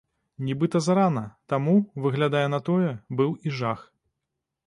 Нібыта зарана, таму, выглядае на тое, быў і жах.